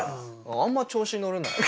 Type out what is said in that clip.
あんま調子に乗るなよ。